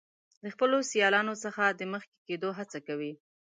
د خپلو سیالانو څخه د مخکې کیدو هڅه کوي.